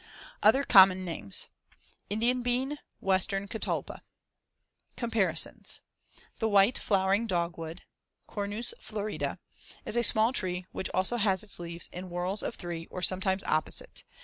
Other common names: Indian bean; western catalpa. Comparisons: The white flowering dogwood (Cornus florida) is a small tree which also has its leaves in whorls of three or sometimes opposite.